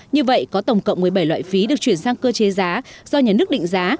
như vậy có tổng cộng một mươi bảy loại phí được chuyển sang cơ chế giá do nhà nước định giá